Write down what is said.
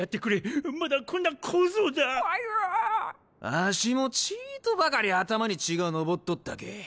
ワシもちぃとばかり頭に血が上っとったけぇ。